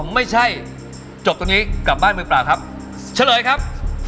ไม่ใช่จบตรงนี้กลับบ้านมือเปล่าครับเฉลยครับ